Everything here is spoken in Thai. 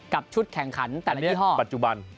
กับชุดแข่งขันแต่ละยี่ห้อปัจจุบัน